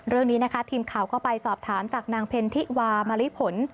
เรื่องนี้นะคะทีมข่าวก็ไปสอบถามจากนางเพนทิวามะลิผล